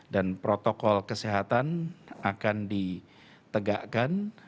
dan protokol kesehatan akan ditegakkan